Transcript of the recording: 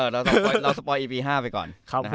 เราสปอยอีปี๕ไปก่อน